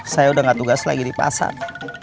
saya udah gak tugas lagi di pasar